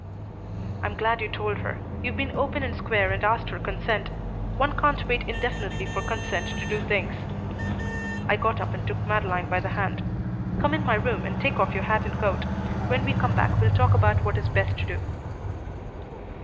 "I'm glad you told her. You've been open and square and asked her consent. One can't wait indefinitely for consent to do things." I got up and took Madeleine by the hand. "Come in my room and take off your hat and coat. When we come back we'll talk about what is best to do."